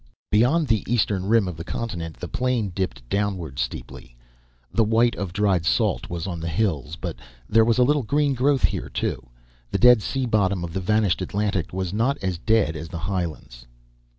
Beyond the eastern rim of the continent, the plain dipped downward steeply. The white of dried salt was on the hills, but there was a little green growth here, too. The dead sea bottom of the vanished Atlantic was not as dead as the highlands.